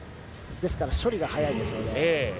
ですから処理が速いですね。